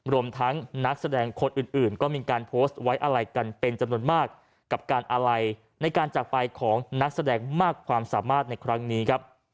รวมทั้งนักแสดงคนอื่นก็มีการโพสต์ไว้อะไรกันเป็นจำนวนมากกับการอะไรในการจากไปของนักแสดงมากความสามารถในครั้งนี้ครับ